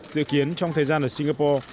dự kiến trong thời gian ở singapore